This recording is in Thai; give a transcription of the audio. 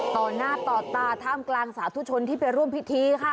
ต่อหน้าต่อตาท่ามกลางสาธุชนที่ไปร่วมพิธีค่ะ